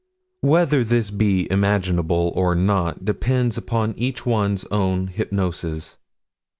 Whether this be imaginable or not depends upon each one's own hypnoses.